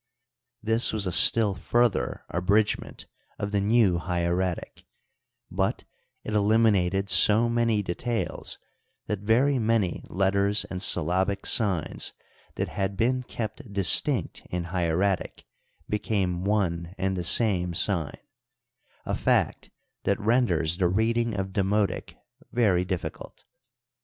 This was a still further abridg ment of the new hieratic, but it eliminated so many details that very many letters and syllabic signs that had been kept distinct in hieratic became one and the same sign, a fact that renders the reading of Demotic very difficult.